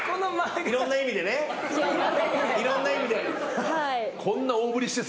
いろんな意味で。